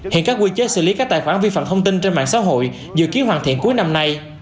hiện các quy chế xử lý các tài khoản vi phạm thông tin trên mạng xã hội dự kiến hoàn thiện cuối năm nay